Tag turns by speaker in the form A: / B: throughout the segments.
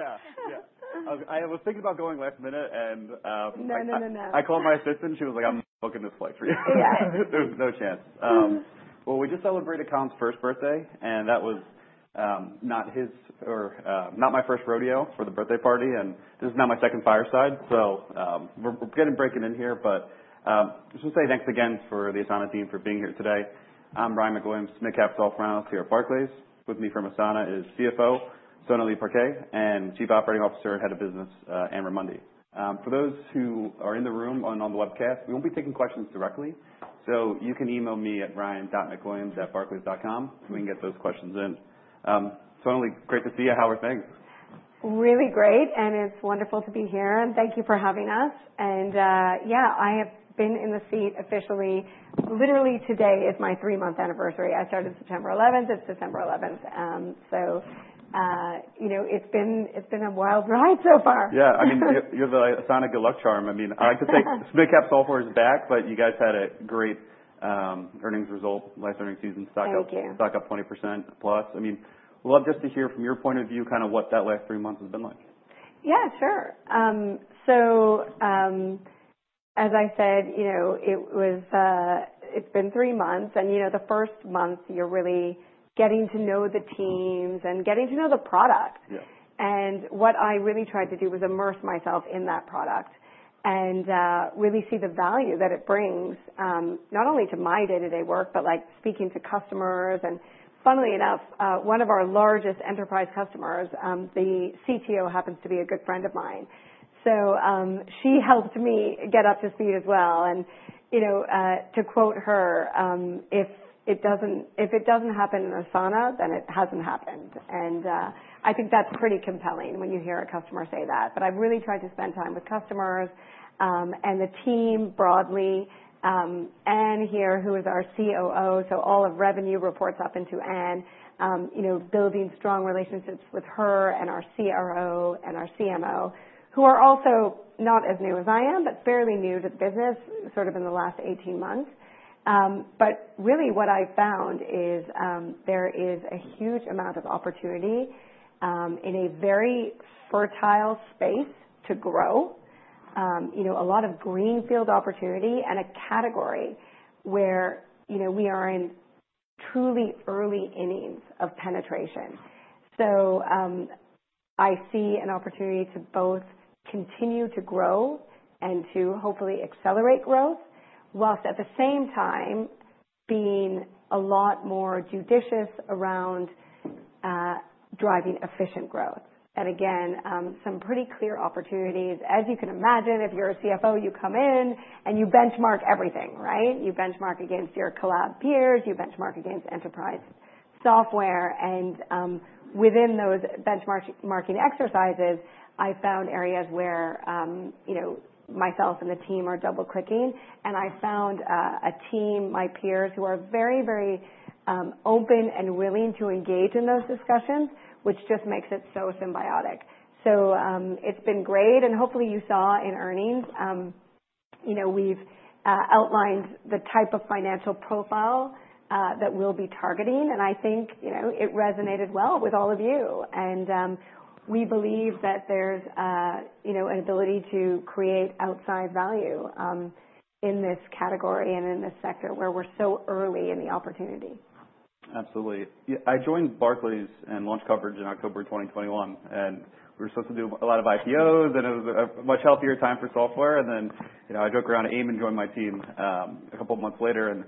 A: Yeah. Yeah. I was thinking about going last minute, and,
B: No, no, no, no.
A: I called my assistant. She was like, "I'm booking this flight for you.
B: Yeah.
A: There's no chance. Well, we just celebrated Colin's first birthday, and that was not his or not my first rodeo for the birthday party. And this is now my second fireside. So, we're getting broken in here, but I just wanna say thanks again to the Asana team for being here today. I'm Ryan MacWilliams, mid-cap analyst here at Barclays. With me from Asana is CFO Sonalee Parekh and Chief Operating Officer and Head of Business Anne Raimondi. For those who are in the room and on the webcast, we won't be taking questions directly. So you can email me at ryan dot macwilliams at barclays.com.
B: Mm-hmm.
A: We can get those questions in. Sonalee, great to see you. How are things?
B: Really great, and it's wonderful to be here. And thank you for having us. And, yeah, I have been in the seat officially. Literally, today is my three-month anniversary. I started September 11th. It's December 11th, so, you know, it's been a wild ride so far.
A: Yeah. I mean, you're the Asana good luck charm. I mean, I like to say.
B: Yeah.
A: It's mid-cap software is back, but you guys had a great earnings result. Last earnings season stock up.
B: Thank you.
A: Stock up 20% plus. I mean, love just to hear from your point of view kinda what that last three months has been like.
B: Yeah. Sure. So, as I said, you know, it was. It's been three months. And, you know, the first month, you're really getting to know the teams and getting to know the product.
A: Yeah.
B: What I really tried to do was immerse myself in that product and really see the value that it brings, not only to my day-to-day work but like speaking to customers. Funnily enough, one of our largest enterprise customers, the CTO happens to be a good friend of mine. She helped me get up to speed as well. You know, to quote her, "If it doesn't happen in Asana, then it hasn't happened." I think that's pretty compelling when you hear a customer say that. I’ve really tried to spend time with customers and the team broadly. Anne here, who is our COO, so all of revenue reports up into Anne, you know, building strong relationships with her and our CRO and our CMO, who are also not as new as I am but fairly new to the business, sort of in the last 18 months. But really what I found is, there is a huge amount of opportunity, in a very fertile space to grow, you know, a lot of greenfield opportunity and a category where, you know, we are in truly early innings of penetration. So, I see an opportunity to both continue to grow and to hopefully accelerate growth while at the same time being a lot more judicious around, driving efficient growth. And again, some pretty clear opportunities. As you can imagine, if you're a CFO, you come in and you benchmark everything, right? You benchmark against your collab peers. You benchmark against enterprise software, and within those benchmarking exercises, I found areas where, you know, myself and the team are double-clicking. And I found a team, my peers, who are very, very, open and willing to engage in those discussions, which just makes it so symbiotic, so it's been great. And hopefully you saw in earnings, you know, we've outlined the type of financial profile that we'll be targeting. And I think, you know, it resonated well with all of you, and we believe that there's, you know, an ability to create outsized value in this category and in this sector where we're so early in the opportunity.
A: Absolutely. Yeah. I joined Barclays and launched coverage in October 2021, and we were supposed to do a lot of IPOs, and it was a much healthier time for software. And then, you know, I joke around. I even joined my team a couple of months later, and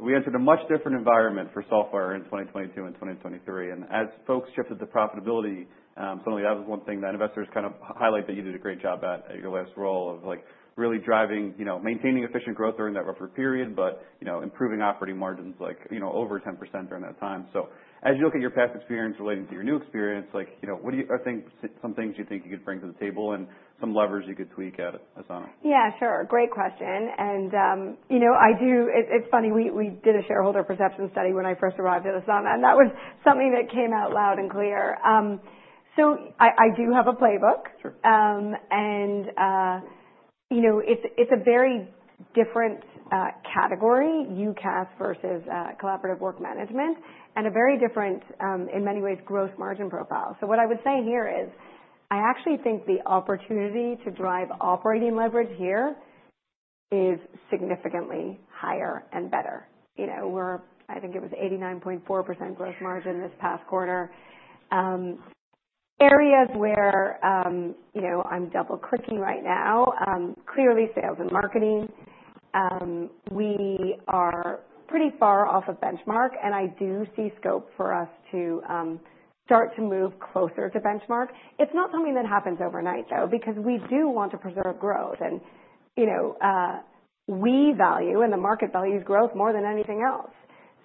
A: we entered a much different environment for software in 2022 and 2023. And as folks shifted to profitability, Sonalee, that was one thing that investors kinda highlight that you did a great job at, at your last role of, like, really driving, you know, maintaining efficient growth during that rougher period but, you know, improving operating margins, like, you know, over 10% during that time. As you look at your past experience relating to your new experience, like, you know, what do you think are some things you think you could bring to the table and some levers you could tweak at Asana?
B: Yeah. Sure. Great question. And, you know, I do, it's funny. We did a shareholder perception study when I first arrived at Asana, and that was something that came out loud and clear. So I do have a playbook.
A: Sure.
B: You know, it's a very different category, UCaaS versus collaborative work management, and a very different gross margin profile in many ways. So what I would say here is I actually think the opportunity to drive operating leverage here is significantly higher and better. You know, we're, I think it was 89.4% gross margin this past quarter. Areas where, you know, I'm double-clicking right now, clearly sales and marketing. We are pretty far off of benchmark, and I do see scope for us to start to move closer to benchmark. It's not something that happens overnight, though, because we do want to preserve growth. You know, we value and the market values growth more than anything else.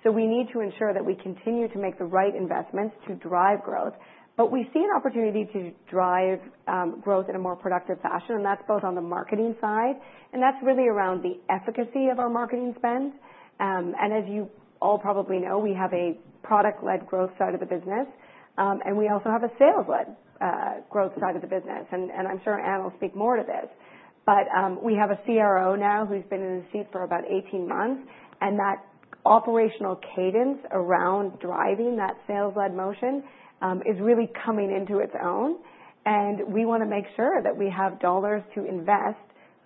B: So we need to ensure that we continue to make the right investments to drive growth. But we see an opportunity to drive growth in a more productive fashion. And that's both on the marketing side, and that's really around the efficacy of our marketing spend. As you all probably know, we have a product-led growth side of the business. We also have a sales-led growth side of the business. And I'm sure Anne will speak more to this. But we have a CRO now who's been in his seat for about 18 months. And that operational cadence around driving that sales-led motion is really coming into its own. And we want to make sure that we have dollars to invest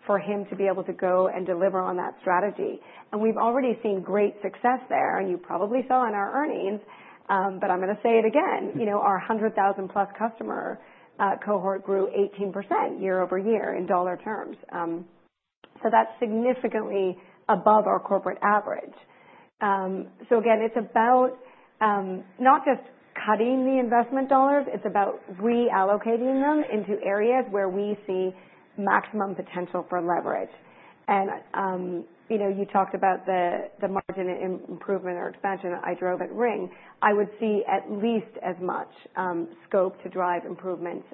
B: for him to be able to go and deliver on that strategy. And we've already seen great success there, and you probably saw in our earnings. But I'm going to say it again.
A: Mm-hmm.
B: You know, our 100,000-plus-customer cohort grew 18% year over year in dollar terms, so that's significantly above our corporate average, so again, it's about not just cutting the investment dollars. It's about reallocating them into areas where we see maximum potential for leverage, and you know, you talked about the margin improvement or expansion. I'd drive it higher. I would see at least as much scope to drive improvements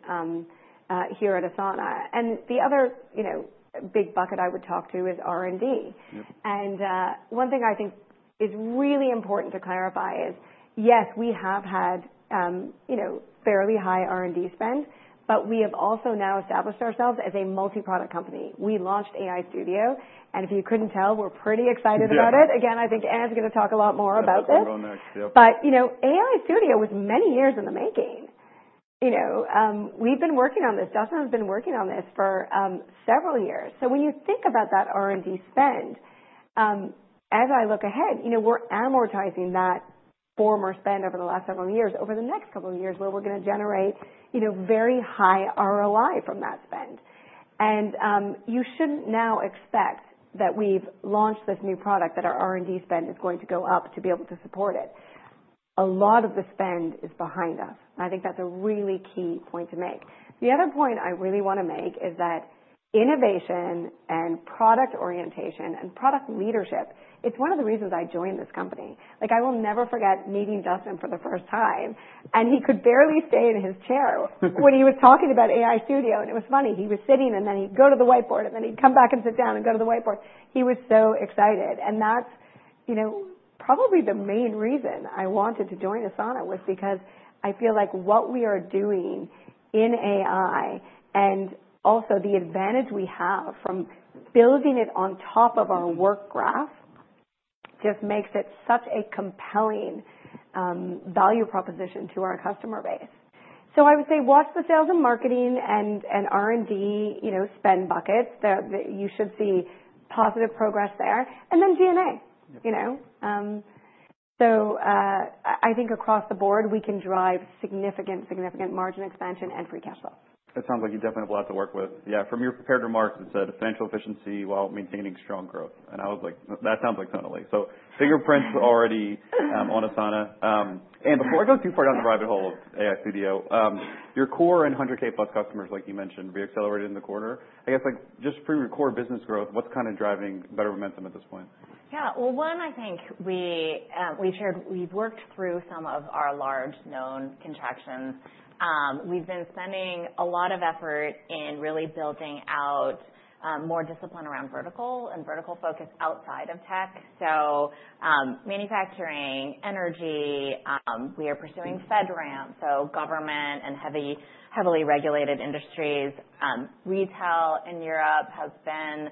B: here at Asana, and the other you know big bucket I would talk about is R&D.
A: Yep.
B: One thing I think is really important to clarify is, yes, we have had, you know, fairly high R&D spend, but we have also now established ourselves as a multi-product company. We launched AI Studio. If you couldn't tell, we're pretty excited about it.
A: Yeah.
B: Again, I think Anne's gonna talk a lot more about this.
A: She'll go next. Yep.
B: But you know, AI Studio was many years in the making. You know, we've been working on this. Dustin has been working on this for several years. So when you think about that R&D spend, as I look ahead, you know, we're amortizing that former spend over the last several years over the next couple of years where we're gonna generate, you know, very high ROI from that spend. And you shouldn't now expect that we've launched this new product that our R&D spend is going to go up to be able to support it. A lot of the spend is behind us. I think that's a really key point to make. The other point I really wanna make is that innovation and product orientation and product leadership; it's one of the reasons I joined this company. Like, I will never forget meeting Dustin for the first time. And he could barely stay in his chair when he was talking about AI Studio. And it was funny. He was sitting, and then he'd go to the whiteboard, and then he'd come back and sit down and go to the whiteboard. He was so excited. And that's, you know, probably the main reason I wanted to join Asana was because I feel like what we are doing in AI and also the advantage we have from building it on top of our work graph just makes it such a compelling value proposition to our customer base. So I would say watch the sales and marketing and R&D, you know, spend buckets. Then you should see positive progress there. And then G&A.
A: Yep.
B: You know, so I think across the board, we can drive significant, significant margin expansion and free cash flow.
A: That sounds like you definitely have a lot to work with. Yeah. From your prepared remarks, it said financial efficiency while maintaining strong growth. I was like, "That sounds like Sonalee." So fingerprints already on Asana. Anne, before I go too far down the rabbit hole of AI Studio, your core and 100K-plus customers, like you mentioned, reaccelerated in the quarter. I guess, like, just for your core business growth, what's kinda driving better momentum at this point?
C: Yeah. Well, one, I think we've shared we've worked through some of our large known contractions. We've been spending a lot of effort in really building out more discipline around vertical and vertical focus outside of tech. So, manufacturing, energy, we are pursuing FedRAMP, so government and heavily regulated industries. Retail in Europe has been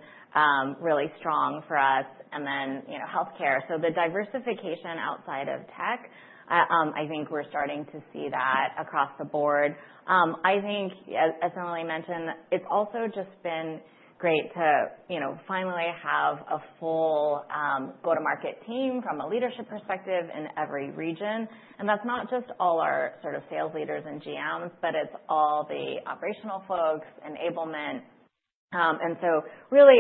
C: really strong for us. And then, you know, healthcare. So the diversification outside of tech, I think we're starting to see that across the board. I think, as Sonalee mentioned, it's also just been great to, you know, finally have a full go-to-market team from a leadership perspective in every region. And that's not just all our sort of sales leaders and GMs, but it's all the operational folks, enablement. And so really,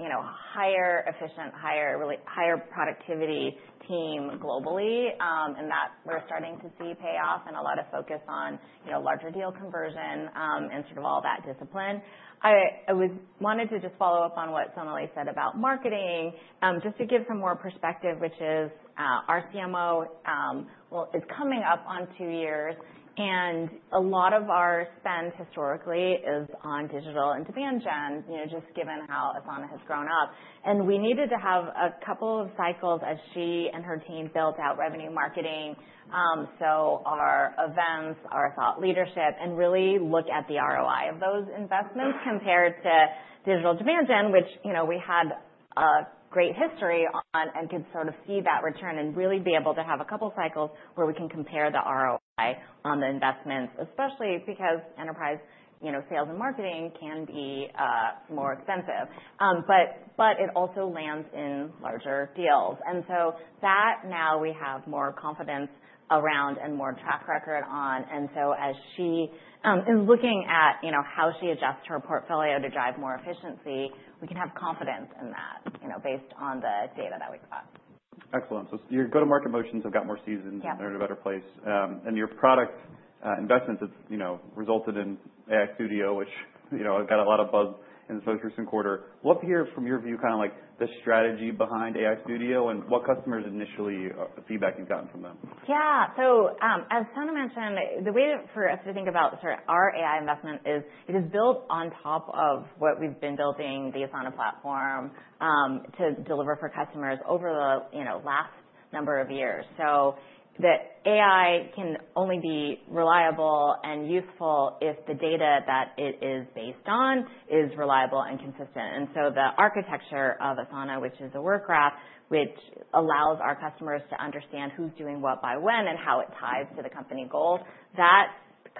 C: you know, higher efficiency, higher, really higher productivity team globally, and that we're starting to see payoff and a lot of focus on, you know, larger deal conversion, and sort of all that discipline. I wanted to just follow up on what Sonalee said about marketing, just to give some more perspective, which is our CMO, well, is coming up on two years. And a lot of our spend historically is on digital and demand gen, you know, just given how Asana has grown up. We needed to have a couple of cycles as she and her team built out revenue marketing, so our events, our thought leadership, and really look at the ROI of those investments compared to digital demand gen, which, you know, we had a great history on and could sort of see that return and really be able to have a couple cycles where we can compare the ROI on the investments, especially because enterprise, you know, sales and marketing can be more expensive, but it also lands in larger deals. And so that now we have more confidence around and more track record on. And so as she is looking at, you know, how she adjusts her portfolio to drive more efficiency, we can have confidence in that, you know, based on the data that we got.
A: Excellent. So your go-to-market motions have got more seasoned.
C: Yeah.
A: And they're in a better place. And your product investments, it's, you know, resulted in AI Studio, which, you know, got a lot of buzz in the first recent quarter. Love to hear from your view, kinda like the strategy behind AI Studio and what customers initially, feedback you've gotten from them.
C: Yeah. So, as Sonalee mentioned, the way for us to think about sort of our AI investment is it is built on top of what we've been building, the Asana platform, to deliver for customers over the, you know, last number of years. So the AI can only be reliable and useful if the data that it is based on is reliable and consistent. And so the architecture of Asana, which is a Work Graph, which allows our customers to understand who's doing what by when and how it ties to the company goals, that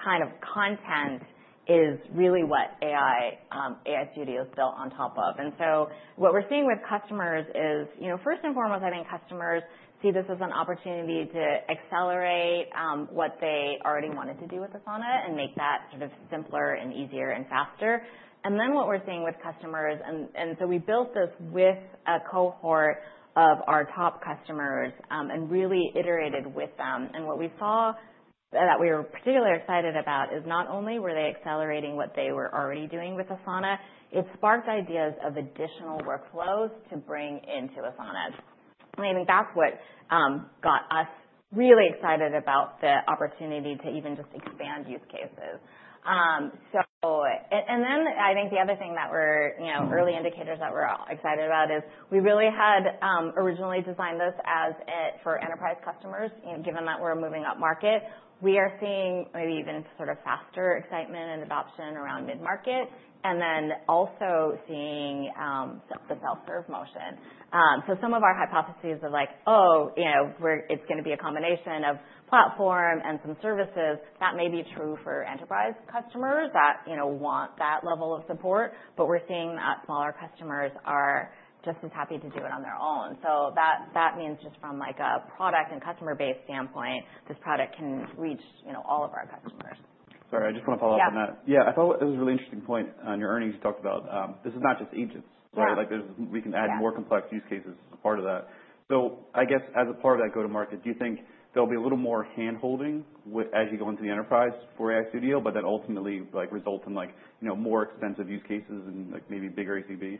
C: kind of content is really what AI, AI Studio is built on top of. And so what we're seeing with customers is, you know, first and foremost, I think customers see this as an opportunity to accelerate what they already wanted to do with Asana and make that sort of simpler and easier and faster. And then what we're seeing with customers, and so we built this with a cohort of our top customers, and really iterated with them. And what we saw that we were particularly excited about is not only were they accelerating what they were already doing with Asana, it sparked ideas of additional workflows to bring into Asana. And I think that's what got us really excited about the opportunity to even just expand use cases. And then I think the other thing that we're, you know, early indicators that we're excited about is we really had originally designed this as it for enterprise customers, you know, given that we're moving upmarket. We are seeing maybe even sort of faster excitement and adoption around mid-market and then also seeing the self-serve motion. So some of our hypotheses of like, "Oh, you know, we're it's gonna be a combination of platform and some services," that may be true for enterprise customers that, you know, want that level of support. But we're seeing that smaller customers are just as happy to do it on their own. So that, that means just from like a product and customer-based standpoint, this product can reach, you know, all of our customers.
A: Sorry. I just wanna follow up on that.
C: Yeah.
A: Yeah. I thought it was a really interesting point on your earnings you talked about. This is not just agents.
C: Right.
A: So, like, there we can add more complex use cases as a part of that. So I guess as a part of that go-to-market, do you think there'll be a little more hand-holding with, as you go into the enterprise for AI Studio, but that ultimately, like, result in, like, you know, more extensive use cases and, like, maybe bigger ACVs?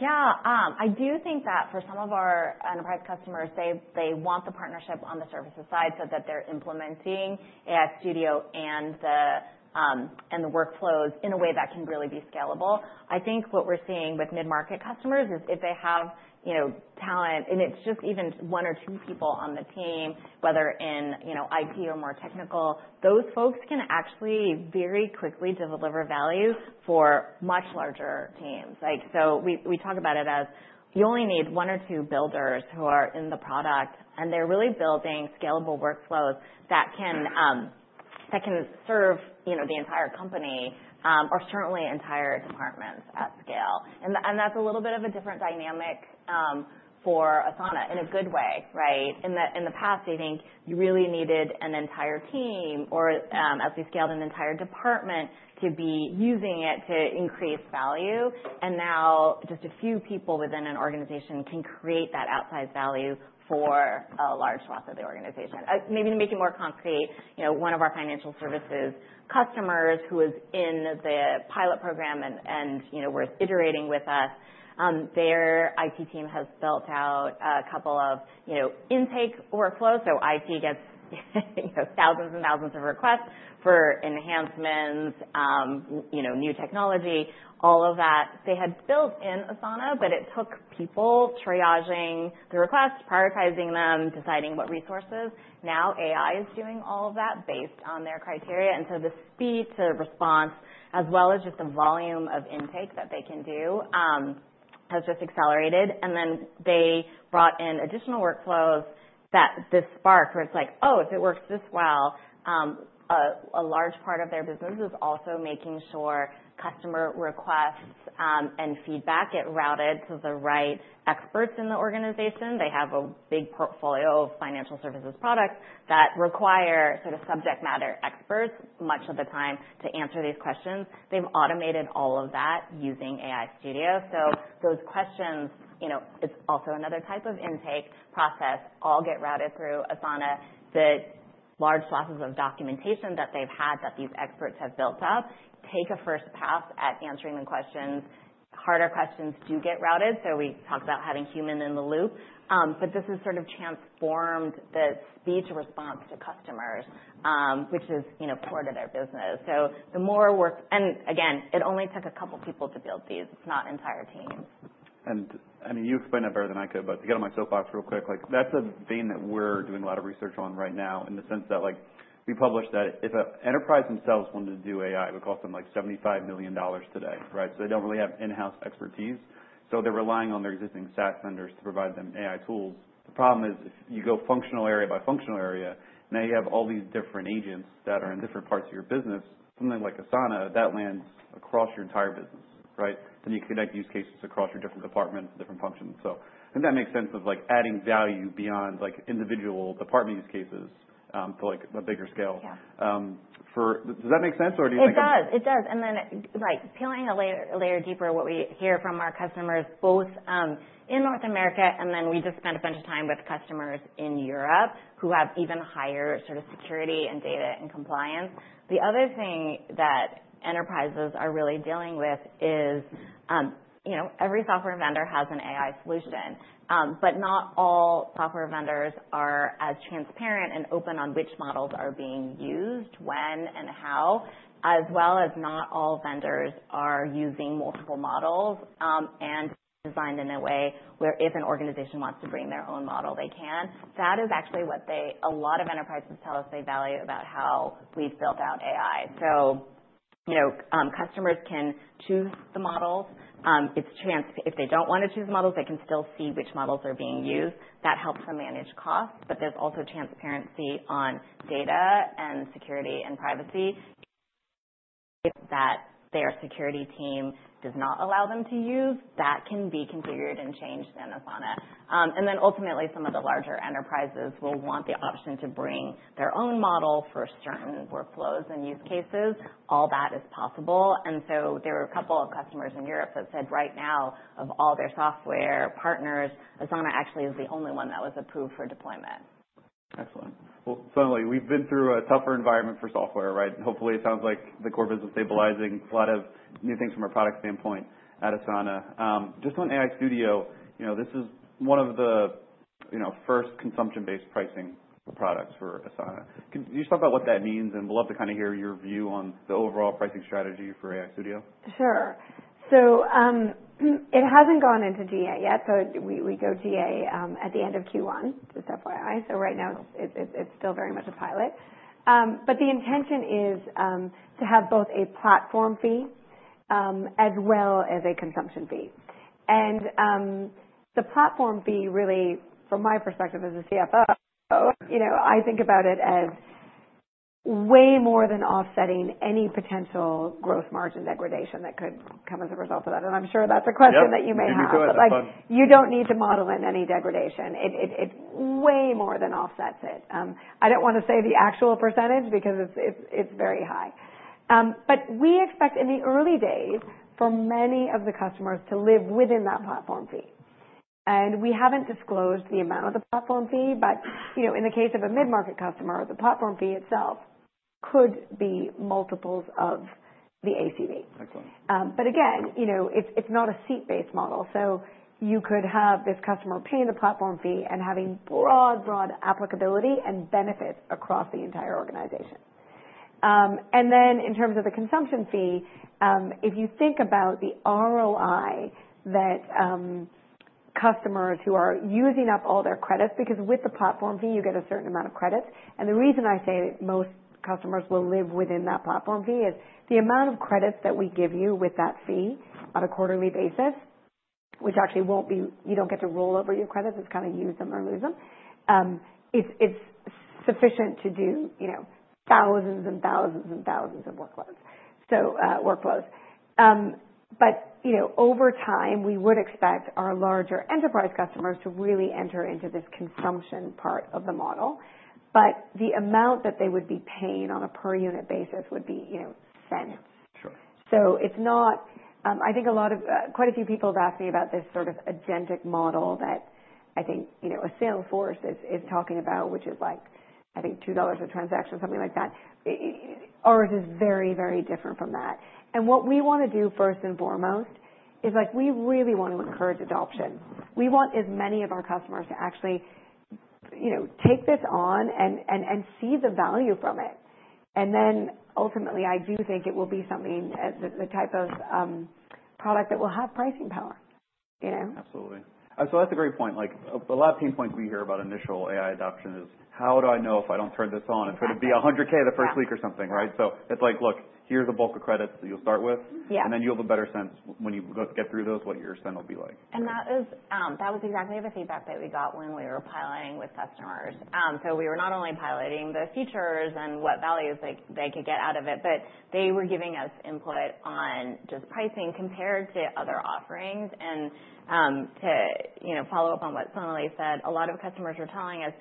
C: Yeah. I do think that for some of our enterprise customers, they want the partnership on the services side so that they're implementing AI Studio and the workflows in a way that can really be scalable. I think what we're seeing with mid-market customers is if they have, you know, talent, and it's just even one or two people on the team, whether in, you know, IT or more technical, those folks can actually very quickly deliver value for much larger teams. Like, so we talk about it as you only need one or two builders who are in the product, and they're really building scalable workflows that can serve, you know, the entire company, or certainly entire departments at scale. And that's a little bit of a different dynamic for Asana in a good way, right? In the past, I think you really needed an entire team or, as we scaled, an entire department to be using it to increase value. And now just a few people within an organization can create that outsized value for a large swath of the organization. Maybe to make it more concrete, you know, one of our financial services customers who is in the pilot program and, you know, was iterating with us, their IT team has built out a couple of, you know, intake workflows. So IT gets, you know, thousands and thousands of requests for enhancements, you know, new technology, all of that. They had built in Asana, but it took people triaging the requests, prioritizing them, deciding what resources. Now AI is doing all of that based on their criteria. And so the speed to response, as well as just the volume of intake that they can do, has just accelerated. And then they brought in additional workflows that this sparked where it's like, "Oh, if it works this well, a large part of their business is also making sure customer requests, and feedback get routed to the right experts in the organization." They have a big portfolio of financial services products that require sort of subject matter experts much of the time to answer these questions. They've automated all of that using AI Studio. So those questions, you know, it's also another type of intake process, all get routed through Asana. The large swathes of documentation that they've had that these experts have built up take a first pass at answering the questions. Harder questions do get routed. So we talked about having human-in-the-loop. But this has sort of transformed the speed of response to customers, which is, you know, core to their business. So the more work and again, it only took a couple people to build these. It's not entire teams.
A: I mean, you explained that better than I could, but to get on my soapbox real quick, like, that's a vein that we're doing a lot of research on right now in the sense that, like, we published that if an enterprise themselves wanted to do AI, it would cost them like $75 million today, right? So they don't really have in-house expertise. So they're relying on their existing SaaS vendors to provide them AI tools. The problem is if you go functional area by functional area, now you have all these different agents that are in different parts of your business, something like Asana, that lands across your entire business, right? Then you connect use cases across your different departments, different functions. So I think that makes sense of like adding value beyond like individual department use cases, to like a bigger scale.
C: Yeah.
A: So does that make sense or do you think?
C: It does. It does. And then, like, peeling a layer, layer deeper, what we hear from our customers both in North America, and then we just spent a bunch of time with customers in Europe who have even higher sort of security and data and compliance. The other thing that enterprises are really dealing with is, you know, every software vendor has an AI solution, but not all software vendors are as transparent and open on which models are being used, when and how, as well as not all vendors are using multiple models, and designed in a way where if an organization wants to bring their own model, they can. That is actually what a lot of enterprises tell us they value about how we've built out AI. So, you know, customers can choose the models. It's transparent if they don't wanna choose the models, they can still see which models are being used. That helps them manage costs, but there's also transparency on data and security and privacy. If their security team does not allow them to use, that can be configured and changed in Asana, and then ultimately, some of the larger enterprises will want the option to bring their own model for certain workflows and use cases. All that is possible, and so there were a couple of customers in Europe that said right now, of all their software partners, Asana actually is the only one that was approved for deployment.
A: Excellent. Well, Sonalee, we've been through a tougher environment for software, right? Hopefully, it sounds like the core business stabilizing, a lot of new things from a product standpoint at Asana. Just on AI Studio, you know, this is one of the, you know, first consumption-based pricing products for Asana. Could you just talk about what that means? And we'd love to kinda hear your view on the overall pricing strategy for AI Studio.
C: Sure. So, it hasn't gone into GA yet. So we go GA at the end of Q1, just FYI. So right now, it's still very much a pilot. But the intention is to have both a platform fee, as well as a consumption fee. And the platform fee really, from my perspective as a CFO, you know, I think about it as way more than offsetting any potential gross margin degradation that could come as a result of that. And I'm sure that's a question that you may have.
A: Yeah. We can do it. That's fine.
C: But like, you don't need to model it in any degradation. It way more than offsets it. I don't wanna say the actual percentage because it's very high, but we expect in the early days for many of the customers to live within that platform fee. And we haven't disclosed the amount of the platform fee, but, you know, in the case of a mid-market customer, the platform fee itself could be multiples of the ACV.
A: Excellent.
C: But again, you know, it's, it's not a seat-based model. So you could have this customer paying the platform fee and having broad, broad applicability and benefits across the entire organization. And then in terms of the consumption fee, if you think about the ROI that customers who are using up all their credits, because with the platform fee, you get a certain amount of credits. And the reason I say that most customers will live within that platform fee is the amount of credits that we give you with that fee on a quarterly basis, which actually won't be. You don't get to roll over your credits. It's kinda use them or lose them. It's, it's sufficient to do, you know, thousands and thousands and thousands of workloads. So, workflows. But, you know, over time, we would expect our larger enterprise customers to really enter into this consumption part of the model. But the amount that they would be paying on a per-unit basis would be, you know, cents.
A: Sure.
C: So it's not. I think a lot of, quite a few people have asked me about this sort of agentic model that I think, you know, Salesforce is talking about, which is like, I think $2 a transaction, something like that. It, ours is very, very different from that. And what we wanna do first and foremost is, like, we really wanna encourage adoption. We want as many of our customers to actually, you know, take this on and see the value from it. And then ultimately, I do think it will be something as a type of product that will have pricing power, you know?
A: Absolutely. And so that's a great point. Like, a lot of pain points we hear about initial AI adoption is, "How do I know if I don't turn this on if it'll be 100K the first week or something?" Right? So it's like, "Look, here's a bulk of credits that you'll start with.
C: Yeah.
A: And then you'll have a better sense when you go get through those, what your spend will be like.
C: And that is, that was exactly the feedback that we got when we were piloting with customers. So we were not only piloting the features and what values they could get out of it, but they were giving us input on just pricing compared to other offerings. And to you know follow up on what Sonalee said, a lot of customers are telling us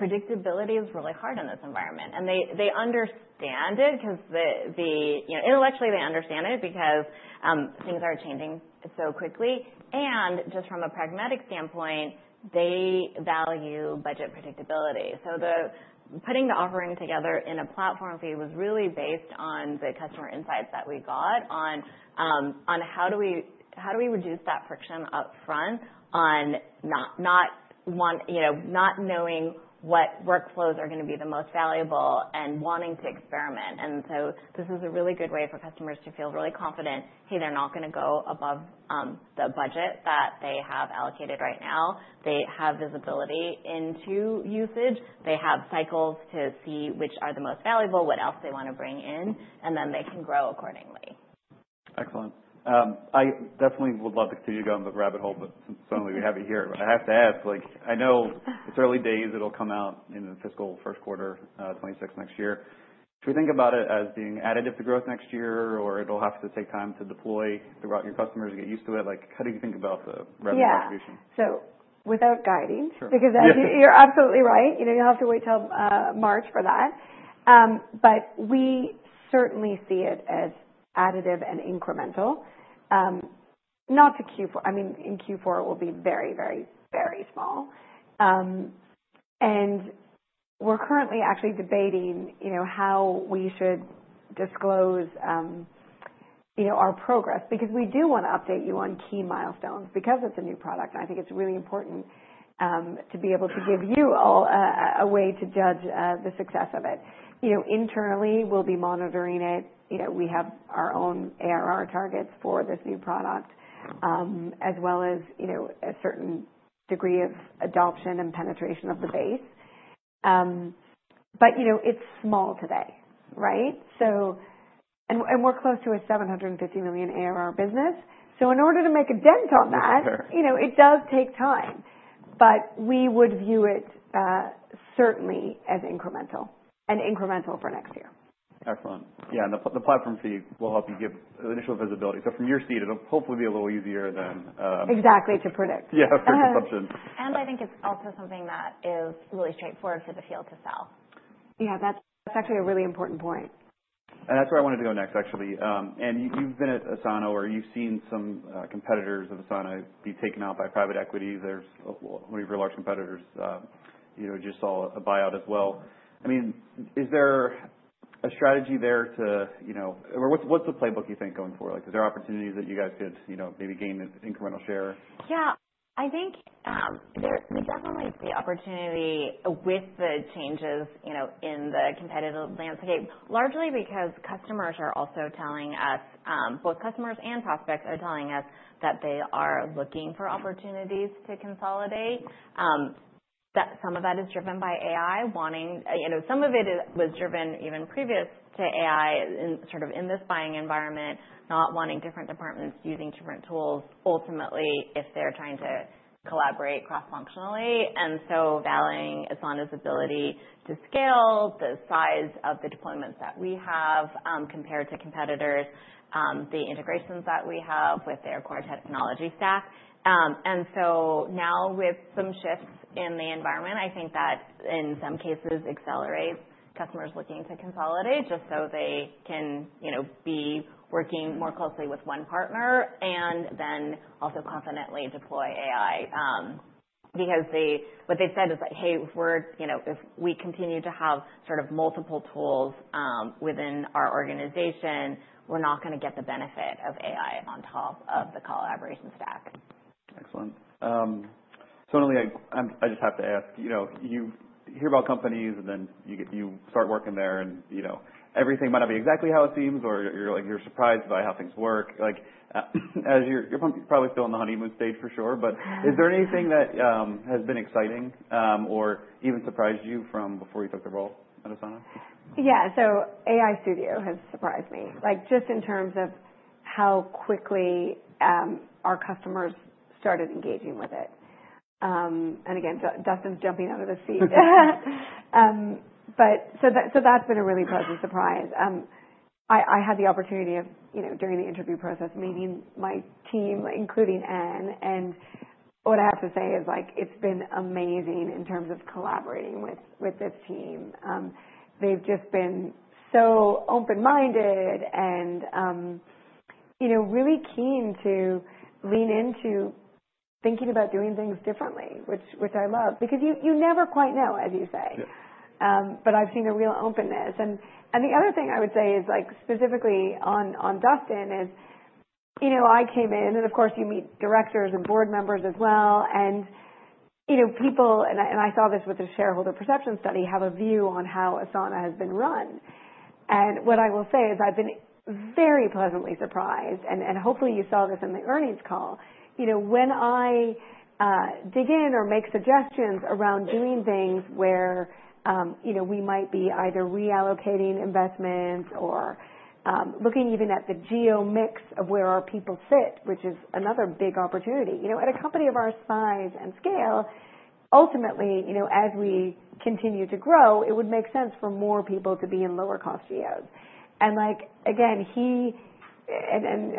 C: predictability is really hard in this environment. And they understand it 'cause the you know intellectually they understand it because things are changing so quickly. And just from a pragmatic standpoint, they value budget predictability. So the putting the offering together in a platform fee was really based on the customer insights that we got on how do we reduce that friction upfront on not wanting, you know, not knowing what workflows are gonna be the most valuable and wanting to experiment. And so this is a really good way for customers to feel really confident, "Hey, they're not gonna go above the budget that they have allocated right now. They have visibility into usage. They have cycles to see which are the most valuable, what else they wanna bring in, and then they can grow accordingly.
A: Excellent. I definitely would love to continue to go on the rabbit hole, but since Sonalee, we have you here, I have to ask, like, I know it's early days. It'll come out in the fiscal first quarter, 2026 next year. Should we think about it as being additive to growth next year or it'll have to take time to deploy throughout your customers and get used to it? Like, how do you think about the revenue distribution?
C: Yeah, so without guiding.
A: Sure.
C: Because you're absolutely right. You know, you'll have to wait till March for that. But we certainly see it as additive and incremental, not to Q4. I mean, in Q4, it will be very, very, very small. And we're currently actually debating, you know, how we should disclose, you know, our progress because we do wanna update you on key milestones because it's a new product. And I think it's really important to be able to give you all a way to judge the success of it. You know, internally, we'll be monitoring it. You know, we have our own ARR targets for this new product, as well as, you know, a certain degree of adoption and penetration of the base. But, you know, it's small today, right? So, and we're close to a $750 million ARR business. So in order to make a dent on that.
A: Sure.
C: You know, it does take time, but we would view it, certainly as incremental for next year.
A: Excellent. Yeah. And the platform fee will help you give initial visibility. So from your seat, it'll hopefully be a little easier than,
C: Exactly. To predict.
A: Yeah. For consumption.
C: I think it's also something that is really straightforward for the field to sell. Yeah. That's actually a really important point.
A: And that's where I wanted to go next, actually. And you've been at Asana or you've seen some competitors of Asana be taken out by private equity. There's a whatever large competitors, you know, just saw a buyout as well. I mean, is there a strategy there to, you know, or what's the playbook you think going forward? Like, is there opportunities that you guys could, you know, maybe gain an incremental share?
C: Yeah. I think, there's definitely the opportunity with the changes, you know, in the competitive landscape, largely because customers are also telling us, both customers and prospects are telling us that they are looking for opportunities to consolidate. That some of that is driven by AI wanting, you know, some of it was driven even previous to AI in sort of this buying environment, not wanting different departments using different tools ultimately if they're trying to collaborate cross-functionally. And so valuing Asana's ability to scale the size of the deployments that we have, compared to competitors, the integrations that we have with their core technology stack. And so now with some shifts in the environment, I think that in some cases accelerates customers looking to consolidate just so they can, you know, be working more closely with one partner and then also confidently deploy AI, because they what they've said is like, "Hey, we're, you know, if we continue to have sort of multiple tools within our organization, we're not gonna get the benefit of AI on top of the collaboration stack.
A: Excellent. Sonalee, I just have to ask, you know, you hear about companies and then you get, you start working there and, you know, everything might not be exactly how it seems or you're like, you're surprised by how things work. Like, as you're probably still in the honeymoon stage for sure, but is there anything that has been exciting, or even surprised you from before you took the role at Asana?
B: Yeah. So AI Studio has surprised me, like, just in terms of how quickly our customers started engaging with it. And again, Dustin's jumping out of the seat. But that's been a really pleasant surprise. I had the opportunity of, you know, during the interview process, meeting my team, including Anne. And what I have to say is, like, it's been amazing in terms of collaborating with this team. They've just been so open-minded and, you know, really keen to lean into thinking about doing things differently, which I love because you never quite know, as you say.
A: Yeah.
B: But I've seen a real openness. And the other thing I would say is, like, specifically on Dustin, you know, I came in and of course you meet directors and board members as well. And, you know, people, and I saw this with the shareholder perception study, have a view on how Asana has been run. And what I will say is I've been very pleasantly surprised. And hopefully you saw this in the earnings call. You know, when I dig in or make suggestions around doing things where, you know, we might be either reallocating investments or looking even at the geo mix of where our people sit, which is another big opportunity. You know, at a company of our size and scale, ultimately, you know, as we continue to grow, it would make sense for more people to be in lower-cost geos. And like, again,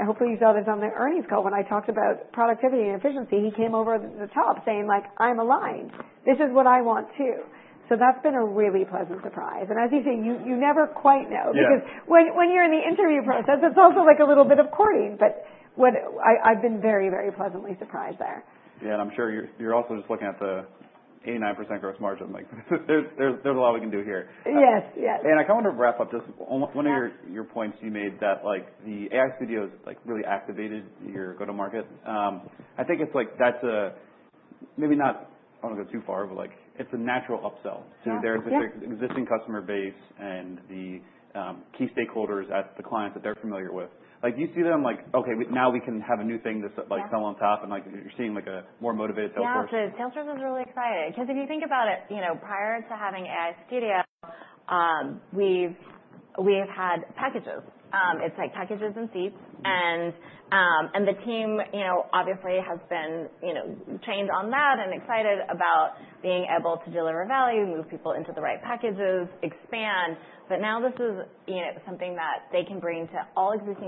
B: hopefully you saw this on the earnings call when I talked about productivity and efficiency, he came over the top saying like, "I'm aligned. This is what I want too." So that's been a really pleasant surprise. And as you say, you never quite know.
A: Yeah.
B: Because when you're in the interview process, it's also like a little bit of courting. But what I've been very, very pleasantly surprised there.
A: Yeah, and I'm sure you're also just looking at the 89% Gross margin. Like, there's a lot we can do here.
B: Yes. Yes.
A: And I kinda wanna wrap up just on one of your points you made that, like, the AI Studio is like really activated your go-to-market. I think it's like that's a maybe not, I don't wanna go too far, but like, it's a natural upsell to their existing customer base and the key stakeholders at the clients that they're familiar with. Like, do you see them like, "Okay, now we can have a new thing to sell on top?" And like, you're seeing like a more motivated sales force.
B: Yeah. Absolutely. Salesforce is really exciting 'cause if you think about it, you know, prior to having AI Studio, we've had packages. It's like packages and seats. And the team, you know, obviously has been, you know, trained on that and excited about being able to deliver value, move people into the right packages, expand. But now this is, you know, something that they can bring to all existing.